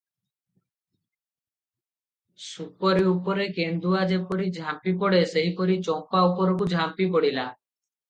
ଶୁକରୀ ଉପରେ କେନ୍ଦୁଆ ଯେପରି ଝାମ୍ପି ପଡ଼େ, ସେହିପରି ଚମ୍ପା ଉପରକୁ ଝାମ୍ପି ପଡ଼ିଲା ।